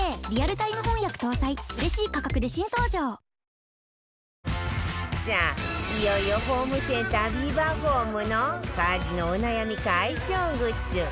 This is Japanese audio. サントリーセサミンさあいよいよホームセンタービバホームの家事のお悩み解消グッズ